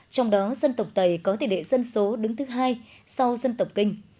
trong đó dân tộc tây có tỷ đệ dân số đứng thứ hai sau dân tộc kinh